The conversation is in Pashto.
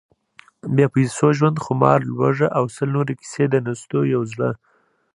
بې پیسو ژوند، خمار، لوږه… او سل نورې کیسې، د نستوه یو زړهٔ: